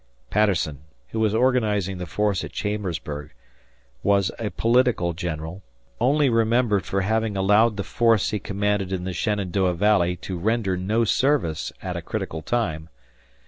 Patterson, who was organizing the force at Chambersburg, was a political general, only remembered for having allowed the force he commanded in the Shenandoah Valley to render no service at a critical time.